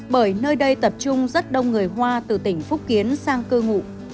bởi nơi đây tập trung rất đông người hoa từ tỉnh phúc kiến sang cư ngụ